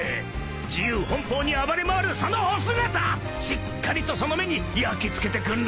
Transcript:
自由奔放に暴れ回るそのお姿しっかりとその目に焼きつけてくんろ！